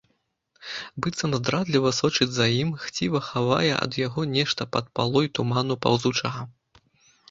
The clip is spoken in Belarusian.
Быццам здрадліва сочыць за ім, хціва хавае ад яго нешта пад палой туману паўзучага.